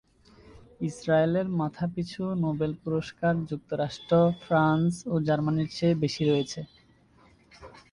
ইসরায়েলের মাথাপিছু নোবেল পুরস্কার যুক্তরাষ্ট্র, ফ্রান্স ও জার্মানির চেয়ে বেশি রয়েছে।